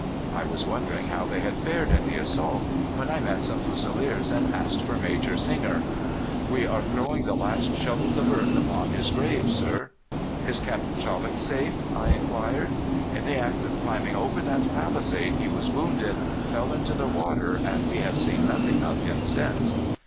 I was wondering how they had fared in the assault when I met some Fusiliers and asked for Major Singer. "'We are throwing the last shovels of earth upon his grave, sir.' "'Is Captain Cholwick safe?' I inquired. "'In the act of climbing over that palisade he was wounded, fell into the water, and we have seen nothing of him since.